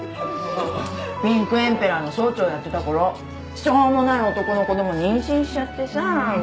ピンクエンペラーの総長やってた頃しょうもない男の子供妊娠しちゃってさあ。